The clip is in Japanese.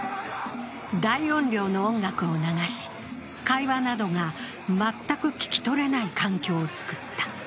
大音量の音楽を流し会話などが全く聞き取れない環境を作った。